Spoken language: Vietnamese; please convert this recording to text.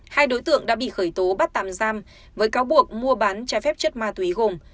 hai đối tượng đã bị khởi tố bắt tạm giam với cáo buộc mua bán trái phép chất ma túy gồm